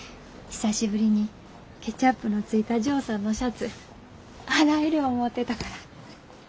久しぶりにケチャップのついたジョーさんのシャツ洗える思うてたから。